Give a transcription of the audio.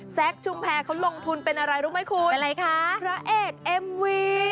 แซคชุมแพร่เขาลงทุนเป็นอะไรรู้ไหมคุณพระเอกเอ็มวี